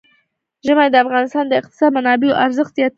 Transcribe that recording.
ژمی د افغانستان د اقتصادي منابعو ارزښت زیاتوي.